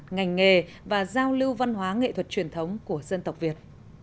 ngành nghề và giao lưu văn hóa nghệ thuật truyền thống của dân tộc việt